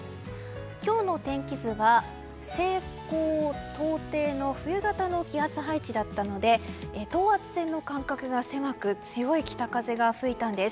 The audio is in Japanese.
今日の天気図は西高東低の冬型の気圧配置だったので等圧線の間隔が狭く強い北風が吹いたんです。